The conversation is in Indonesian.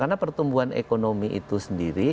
karena pertumbuhan ekonomi itu sendiri